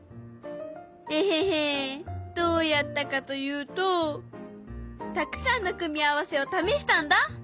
エヘヘどうやったかというとたくさんの組み合わせを試したんだ！